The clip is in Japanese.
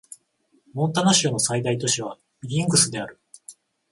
モンタナ州の最大都市はビリングスである